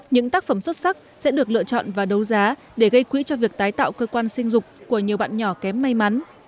những tác phẩm xuất sắc sẽ được lựa chọn và đấu giá để gây quỹ cho việc tái tạo cơ quan sinh dục của nhiều bạn nhỏ kém may mắn